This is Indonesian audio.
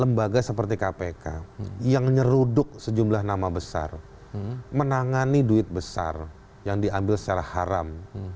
lembaga seperti kpk yang nyeruduk sejumlah nama besar menangani duit besar yang diambil secara haram